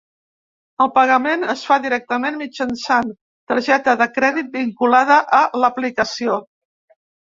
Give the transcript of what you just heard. El pagament es fa directament mitjançant targeta de crèdit vinculada a l’aplicació.